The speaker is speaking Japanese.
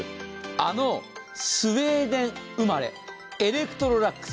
あのスウェーデン生まれ、エレクトロラックス。